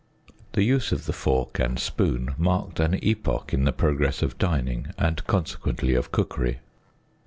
The use of the fork and spoon marked an epoch in the progress of dining, and con sequently of cookery.